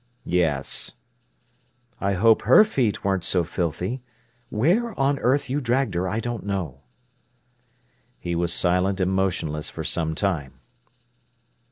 "Yes." "I hope her feet weren't so filthy. Where on earth you dragged her I don't know!" He was silent and motionless for some time.